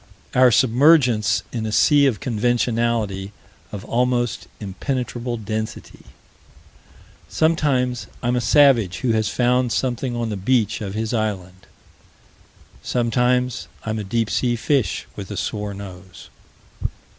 Our submergence in a sea of conventionality of almost impenetrable density. Sometimes I'm a savage who has found something on the beach of his island. Sometimes I'm a deep sea fish with a sore nose.